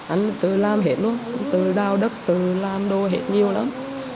anh tự làm hết luôn tự đào đất tự làm đồ hết nhiều lắm